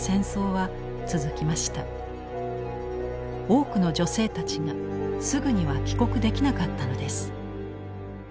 多くの女性たちがすぐには帰国できなかったのです。